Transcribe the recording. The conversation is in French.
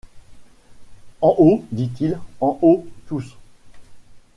En haut, dit-il, en haut!... tous !